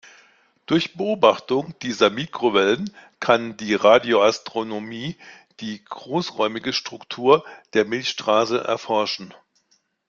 Durch Beobachtung dieser Mikrowellen kann die Radioastronomie die großräumige Struktur der Milchstraße erforschen.